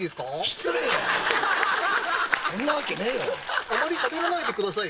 失礼やねんそんなわけねえわあまりしゃべらないでください